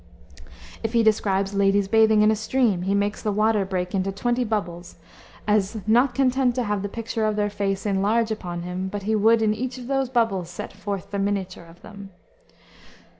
If he describes ladies bathing in a stream, he makes the water break into twenty bubbles, as "not content to have the picture of their face in large upon him, but he would in each of those bubbles set forth the miniature of them."